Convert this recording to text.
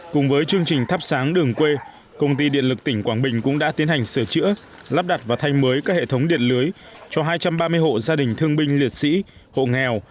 cùng với chương trình thắp sáng đường quê công ty điện lực tỉnh quảng bình cũng đã tiến hành sửa chữa lắp đặt và thay mới các hệ thống điện lưới cho hai trăm ba mươi hộ gia đình thương binh liệt sĩ hộ nghèo